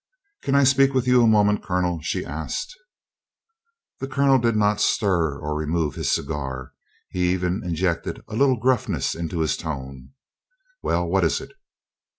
"Can I speak with you a moment, Colonel?" she asked. The Colonel did not stir or remove his cigar; he even injected a little gruffness into his tone. "Well, what is it?"